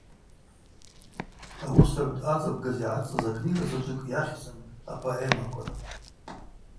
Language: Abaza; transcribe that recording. Ауысагӏв дъадзабгаз йгӏацӏцӏыз акнигазаджвыкӏ йахьзын Апоэмаква.